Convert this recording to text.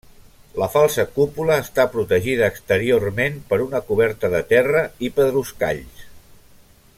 La falsa cúpula està protegida exteriorment per una coberta de terra i pedruscalls.